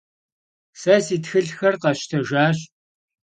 Se si txılhxer khesştejjaş.